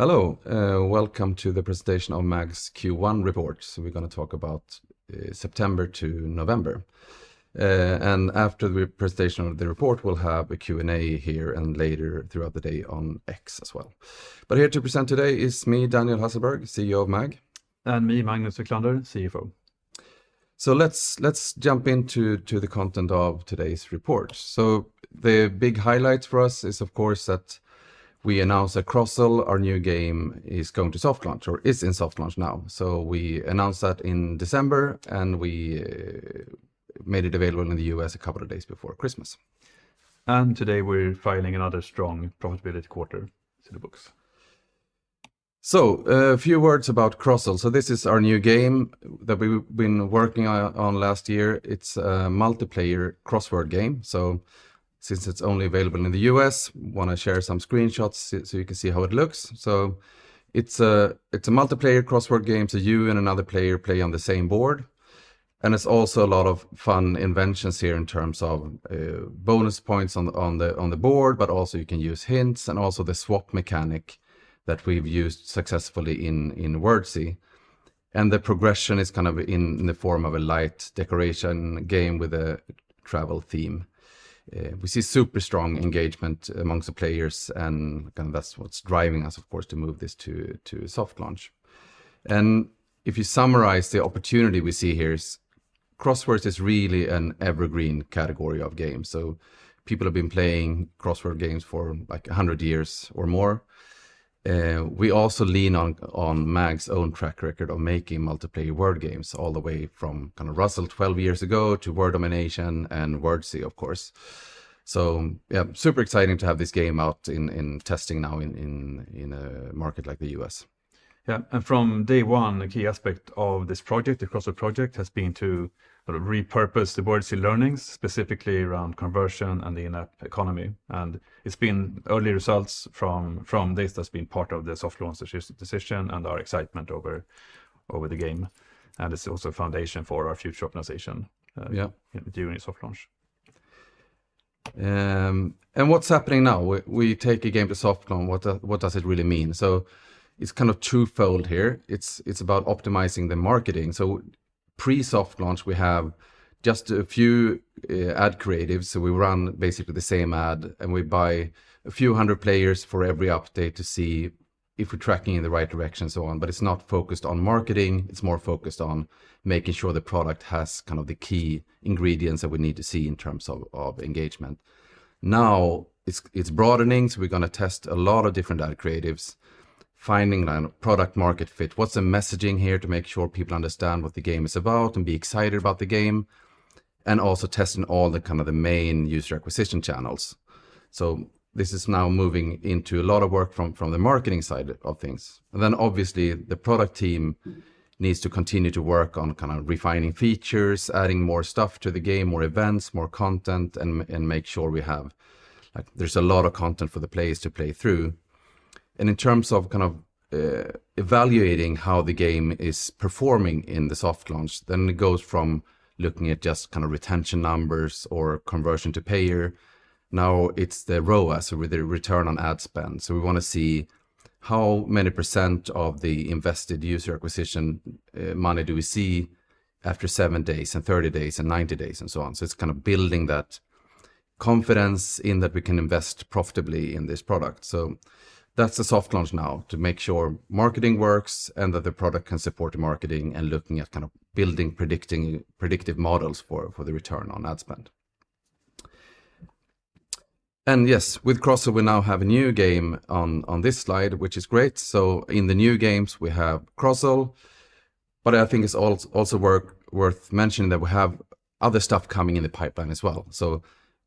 Hello, welcome to the presentation of MAG's Q1 report. So we're gonna talk about September to November. And after the presentation of the report, we'll have a Q&A here and later throughout the day on X as well. But here to present today is me, Daniel Hasselberg, Chief Executive Officer of MAG. Me, Magnus Wiklander, Chief Financial Officer. So let's jump into the content of today's report. So the big highlight for us is, of course, that we announced that Crozzle, our new game, is going to soft launch or is in soft launch now. So we announced that in December, and we made it available in the U.S. a couple of days before Christmas. Today, we're filing another strong profitable quarter to the books. So, a few words about Crozzle. So this is our new game that we've been working on last year. It's a multiplayer crossword game, so since it's only available in the U.S., wanna share some screenshots so you can see how it looks. So it's a multiplayer crossword game, so you and another player play on the same board, and it's also a lot of fun inventions here in terms of bonus points on the board, but also you can use hints, and also the swap mechanic that we've used successfully in Wordzee. And the progression is kind of in the form of a light decoration game with a travel theme. We see super strong engagement amongst the players, and kind of that's what's driving us, of course, to move this to soft launch. If you summarize, the opportunity we see here is crosswords is really an evergreen category of games, so people have been playing crossword games for, like, 100 years or more. We also lean on MAG's own track record of making multiplayer word games all the way from kinda Ruzzle 12 years ago to Word Domination and Wordzee, of course. So yeah, super exciting to have this game out in testing now in a market like the U.S. Yeah, and from day one, a key aspect of this project, the Crozzle project, has been to sort of repurpose the Wordzee learnings, specifically around conversion and the in-app economy. And it's been early results from this that's been part of the soft launch decision and our excitement over the game, and it's also a foundation for our future optimization- Yeah... during soft launch. What's happening now? We take a game to soft launch. What does it really mean? It's kind of twofold here. It's about optimizing the marketing. Pre-soft launch, we have just a few ad creatives, so we run basically the same ad, and we buy a few hundred players for every update to see if we're tracking in the right direction and so on. It's not focused on marketing, it's more focused on making sure the product has kind of the key ingredients that we need to see in terms of engagement. Now, it's broadening, so we're gonna test a lot of different ad creatives, finding product market fit. What's the messaging here to make sure people understand what the game is about and be excited about the game, and also testing all the kind of the main user acquisition channels. So this is now moving into a lot of work from the marketing side of things. And then, obviously, the product team needs to continue to work on kind of refining features, adding more stuff to the game, more events, more content, and make sure we have, like, there's a lot of content for the players to play through. And in terms of kind of evaluating how the game is performing in the soft launch, then it goes from looking at just kind of retention numbers or conversion to payer. Now it's the ROAS, or the return on ad spend. So we wanna see how many percent of the invested user acquisition money do we see after seven days and 30 days and 90 days, and so on. So it's kind of building that confidence in that we can invest profitably in this product. So that's the soft launch now, to make sure marketing works and that the product can support marketing and looking at kind of building predictive models for the return on ad spend. And yes, with Crozzle, we now have a new game on this slide, which is great. So in the new games, we have Crozzle, but I think it's also worth mentioning that we have other stuff coming in the pipeline as well. So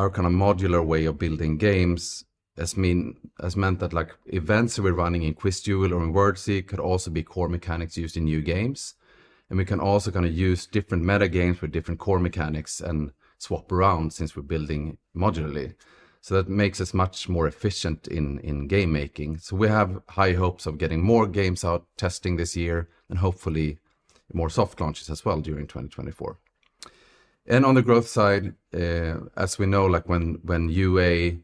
our kinda modular way of building games has meant that, like, events we're running in QuizDuel or in Wordzee could also be core mechanics used in new games. And we can also kinda use different meta games with different core mechanics and swap around since we're building modularly. So that makes us much more efficient in game making. So we have high hopes of getting more games out, testing this year, and hopefully more soft launches as well during 2024. And on the growth side, as we know, like, when UA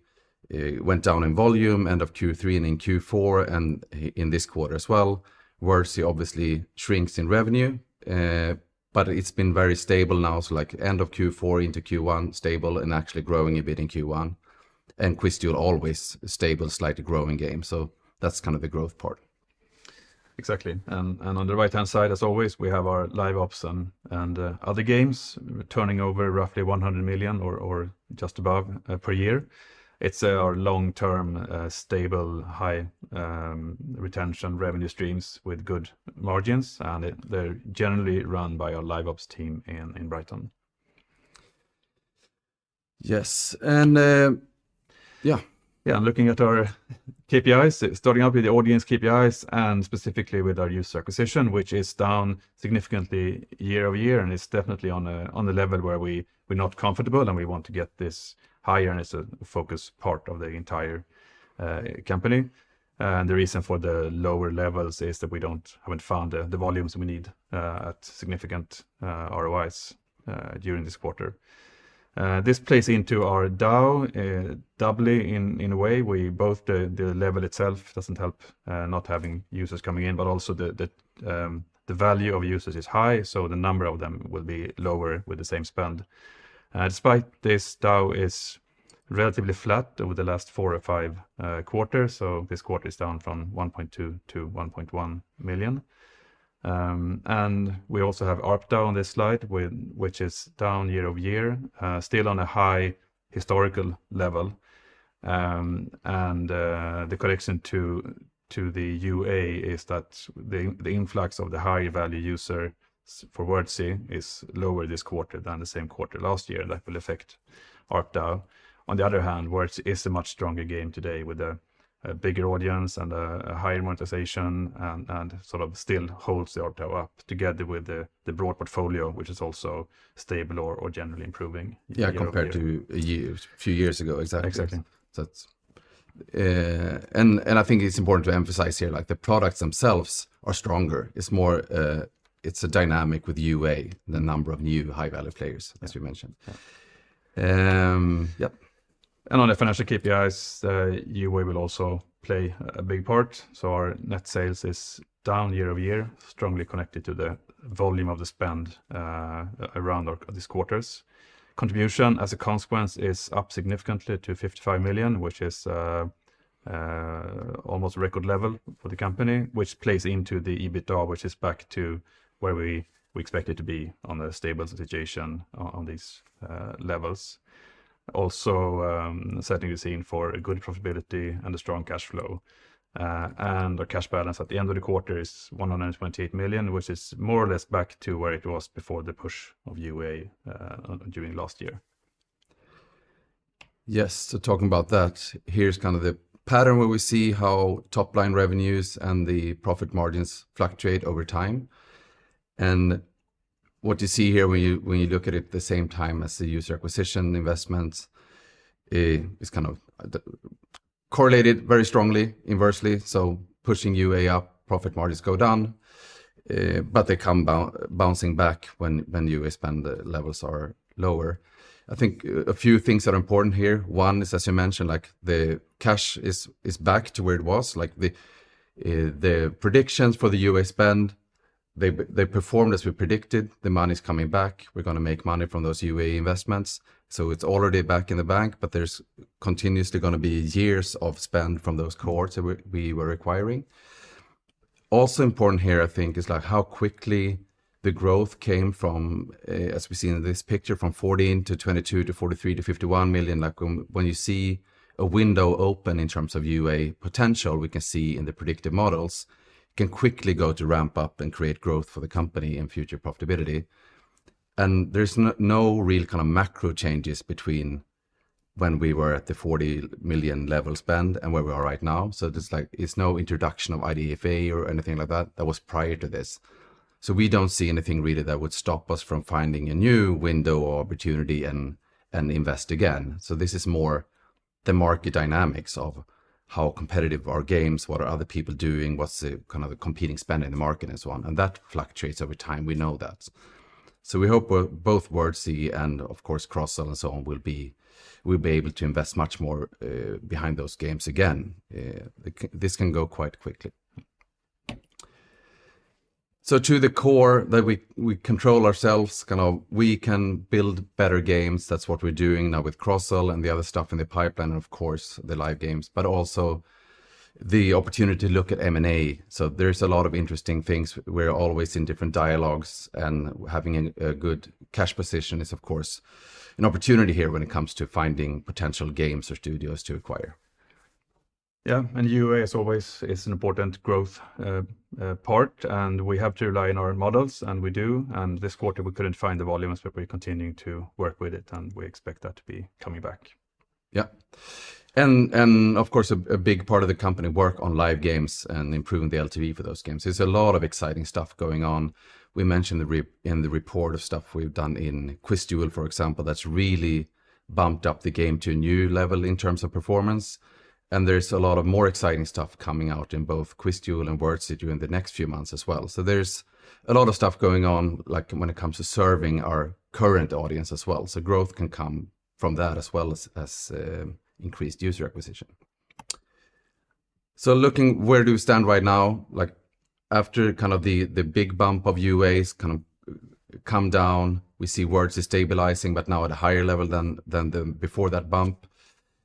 went down in volume, end of Q3 and in Q4 and in this quarter as well, Wordzee obviously shrinks in revenue, but it's been very stable now. So, like, end of Q4 into Q1, stable, and actually growing a bit in Q1. QuizDuel, always a stable, slightly growing game. That's kind of the growth part. Exactly. And on the right-hand side, as always, we have our live ops and other games, turning over roughly 100 million or just above per year. It's our long-term, stable, high retention revenue streams with good margins, and it. They're generally run by our live ops team in Brighton. Yes, and, yeah. Yeah, and looking at our KPIs, starting out with the audience KPIs, and specifically with our user acquisition, which is down significantly year-over-year, and it's definitely on a level where we're not comfortable, and we want to get this higher, and it's a focus part of the entire company. And the reason for the lower levels is that we haven't found the volumes we need at significant ROIs during this quarter. This plays into our DAU doubly in a way, where both the level itself doesn't help, not having users coming in, but also the value of users is high, so the number of them will be lower with the same spend. Despite this, DAU is relatively flat over the last four or five quarters. So this quarter is down from 1.2 million-1.1 million. And we also have ARPDAU on this slide, which is down year-over-year, still on a high historical level. And the correction to the UA is that the influx of the high-value user for Wordzee is lower this quarter than the same quarter last year, and that will affect ARPDAU. On the other hand, Wordzee is a much stronger game today with a bigger audience and a higher monetization, and sort of still holds the ARPDAU up together with the broad portfolio, which is also stable or generally improving. Yeah, compared to a few years ago. Exactly. Exactly. That's... I think it's important to emphasize here, like, the products themselves are stronger. It's more, it's a dynamic with UA, the number of new high-value players- Yeah... as we mentioned. Yeah. On the financial KPIs, UA will also play a big part. So our net sales is down year-over-year, strongly connected to the volume of the spend, around our this quarters. Contribution, as a consequence, is up significantly to 55 million, which is almost record level for the company, which plays into the EBITDA, which is back to where we expect it to be on a stable situation on these levels. Also, setting the scene for a good profitability and a strong cash flow. And our cash balance at the end of the quarter is 128 million, which is more or less back to where it was before the push of UA during last year. Yes, so talking about that, here's kind of the pattern where we see how top-line revenues and the profit margins fluctuate over time. And what you see here when you look at it at the same time as the user acquisition investments is kind of the correlated very strongly, inversely. So pushing UA up, profit margins go down, but they come bouncing back when UA spend levels are lower. I think a few things that are important here. One is, as you mentioned, like, the cash is back to where it was. Like, the predictions for the UA spend, they performed as we predicted. The money's coming back. We're gonna make money from those UA investments, so it's already back in the bank, but there's continuously gonna be years of spend from those cohorts that we were acquiring. Also important here, I think, is, like, how quickly the growth came from, as we see in this picture, from 14 million to 22 million to 43 million to 51 million. Like, when you see a window open in terms of UA potential, we can see in the predictive models, can quickly go to ramp up and create growth for the company and future profitability. And there's no real kind of macro changes between when we were at the 40 million level spend and where we are right now. So there's like... It's no introduction of IDFA or anything like that, that was prior to this. So we don't see anything really that would stop us from finding a new window or opportunity and invest again. So this is more the market dynamics of how competitive are games, what are other people doing, what's the kind of the competing spend in the market, and so on. And that fluctuates over time. We know that. So we hope both Wordzee and, of course, Crozzle and so on, will be able to invest much more behind those games again. This can go quite quickly. So to the core that we control ourselves, kind of, we can build better games. That's what we're doing now with Crozzle and the other stuff in the pipeline, and of course, the live games, but also the opportunity to look at M&A. So there's a lot of interesting things. We're always in different dialogues, and having a good cash position is, of course, an opportunity here when it comes to finding potential games or studios to acquire. Yeah, and UA, as always, is an important growth part, and we have to rely on our models, and we do. And this quarter, we couldn't find the volumes, but we're continuing to work with it, and we expect that to be coming back. Yep. And of course, a big part of the company work on live games and improving the LTV for those games. There's a lot of exciting stuff going on. We mentioned the re- in the report of stuff we've done in QuizDuel, for example. That's really bumped up the game to a new level in terms of performance, and there's a lot of more exciting stuff coming out in both QuizDuel and Wordzee during the next few months as well. So there's a lot of stuff going on, like, when it comes to serving our current audience as well. So growth can come from that as well as, as, increased user acquisition. So looking where do we stand right now, like, after kind of the, the big bump of UAs kind of come down, we see Words is stabilizing, but now at a higher level than, than the before that bump.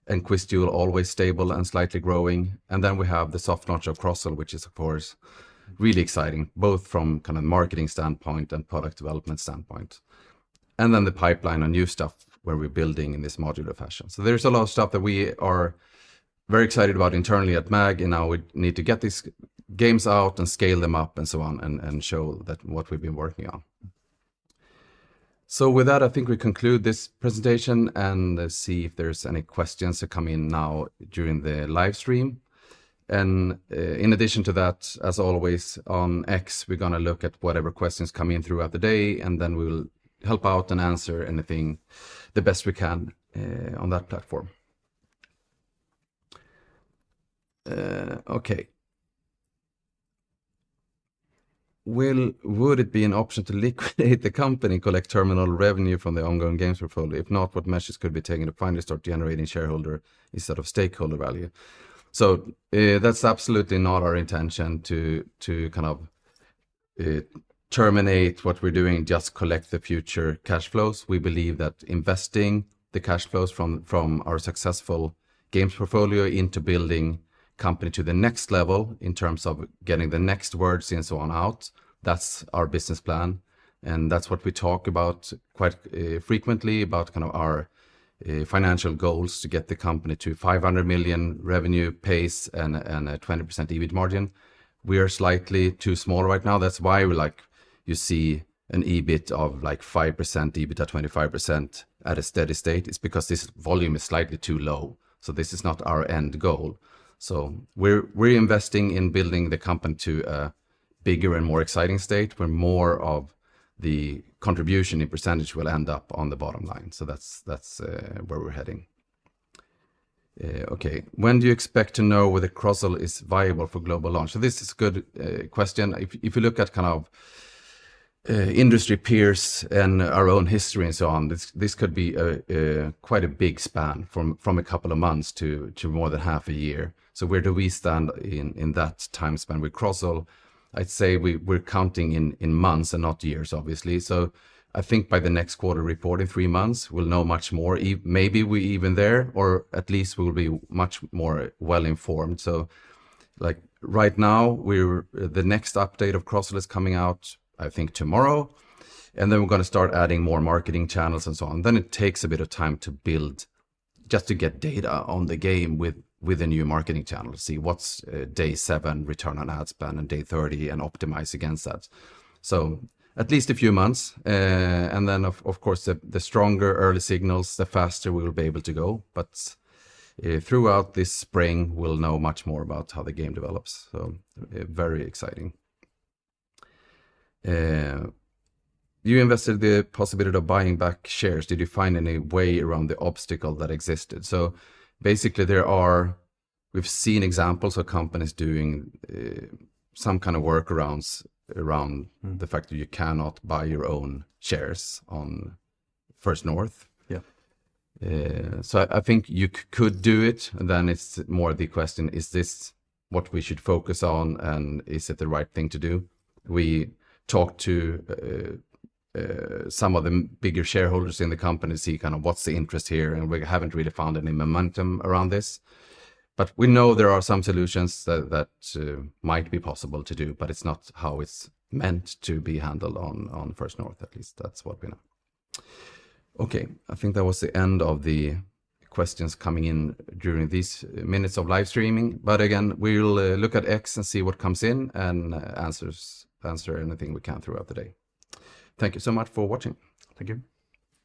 And Quiz Duel, always stable and slightly growing. Then we have the soft launch of Crozzle, which is, of course, really exciting, both from kind of marketing standpoint and product development standpoint, and then the pipeline and new stuff where we're building in this modular fashion. So there's a lot of stuff that we are very excited about internally at MAG, and now we need to get these games out and scale them up and so on and, and show that what we've been working on. So with that, I think we conclude this presentation and see if there's any questions that come in now during the live stream. And, in addition to that, as always, on X, we're gonna look at whatever questions come in throughout the day, and then we will help out and answer anything the best we can, on that platform. Okay. Would it be an option to liquidate the company, collect terminal revenue from the ongoing games portfolio? If not, what measures could be taken to finally start generating shareholder instead of stakeholder value? So, that's absolutely not our intention to kind of terminate what we're doing and just collect the future cash flows. We believe that investing the cash flows from our successful games portfolio into building company to the next level in terms of getting the next words and so on out, that's our business plan, and that's what we talk about quite frequently, about kind of our financial goals to get the company to 500 million revenue pace and a 20% EBIT margin. We are slightly too small right now. That's why we, like, you see an EBIT of, like, 5%, EBITDA 25% at a steady state. It's because this volume is slightly too low, so this is not our end goal. So we're investing in building the company to a bigger and more exciting state, where more of the contribution in percentage will end up on the bottom line. So that's where we're heading. Okay. When do you expect to know whether Crozzle is viable for global launch? So this is good question. If you look at kind of industry peers and our own history and so on, this could be a quite a big span from a couple of months to more than half a year. So where do we stand in that time span? With Crozzle, I'd say we're counting in months and not years, obviously. So I think by the next quarter report, in three months, we'll know much more, maybe we're even there, or at least we'll be much more well-informed. So, like, right now, the next update of Crozzle is coming out, I think tomorrow, and then we're gonna start adding more marketing channels and so on. Then it takes a bit of time to build, just to get data on the game with a new marketing channel, to see what's day seven return on ad spend and day 30, and optimize against that. So at least a few months, and then of course, the stronger early signals, the faster we will be able to go. But throughout this spring, we'll know much more about how the game develops, so very exciting. You investigated the possibility of buying back shares. Did you find any way around the obstacle that existed? So basically, there are. We've seen examples of companies doing some kind of workarounds around the fact that you cannot buy your own shares on First North. Yeah. So I think you could do it, and then it's more the question, is this what we should focus on, and is it the right thing to do? We talked to some of the bigger shareholders in the company to see kind of what's the interest here, and we haven't really found any momentum around this. But we know there are some solutions that might be possible to do, but it's not how it's meant to be handled on First North, at least that's what we know. Okay, I think that was the end of the questions coming in during these minutes of live streaming. But again, we'll look at X and see what comes in, and answer anything we can throughout the day. Thank you so much for watching. Thank you.